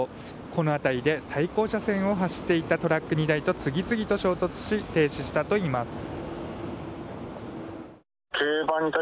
この辺りで対向車線を走っていたトラック２台と次々と衝突し停止したといいます。